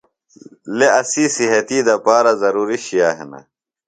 لے اسی صحتی دپارہ ضروری شئے ہِنہ۔